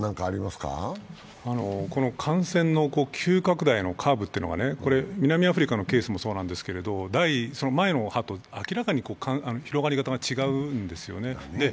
この感染の急拡大のカーブというのが、南アフリカのケースもそうなんですけど、前の波と明らかに広がり方が違うんですよね。